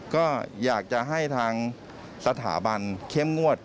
ก็อยากจะให้ทางสถาบันเข้มงวด